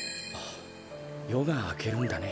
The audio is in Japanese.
よがあけるんだね。